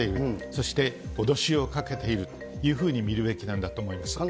そして脅しをかけているというふうに見るべきなんだと思います。